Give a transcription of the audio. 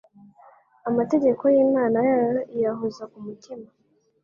Amategeko y’Imana yayo iyahoza ku mutima